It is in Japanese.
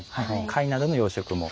貝などの養殖も。